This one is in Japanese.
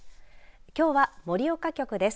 きょうは盛岡局です。